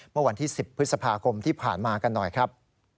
เมื่อวันที่๑๐พฤษภาคมที่ผ่านมากันหน่อยครับ